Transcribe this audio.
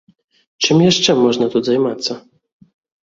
Чым яшчэ можна тут займацца?